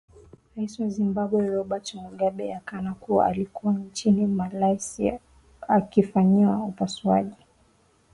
rais wa zimbabwe robert mugabe akana kuwa alikuwa nchini malaysia akifanyiwa upasuaji